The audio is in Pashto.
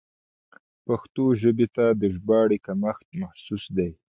پښتو ژبې ته د ژباړې کمښت محسوس دی.